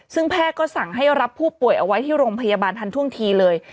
ซึ่งแพทย์ก็สั่งให้รับผู้ป่วยเอาไว้ที่โรงพยาบาลทันท่วงทีเลย